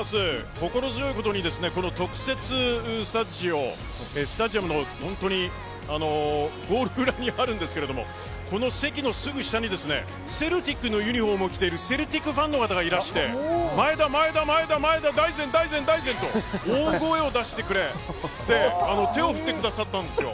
心強いことに、この特設スタジオスタジアムの本当にゴール裏にあるんですけどこの席のすぐ下にですねセルティックのユニホームを着ているセルティックファンの方がいらして前田、前田、前田大然、大然、大然と大声を出してくれて手を振ってくださったんですよ。